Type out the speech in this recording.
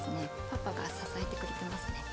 パパが支えてくれてますね。